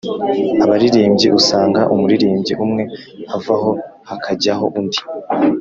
abaririmbyi usanga umuririmbyi umwe avaho hakajyaho undi